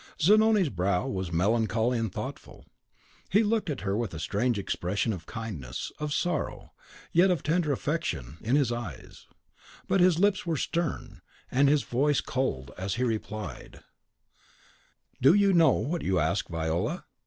Zanoni's brow was melancholy and thoughtful. He looked at her with a strange expression of kindness, of sorrow, yet of tender affection, in his eyes; but his lips were stern, and his voice cold, as he replied, "Do you know what you ask, Viola?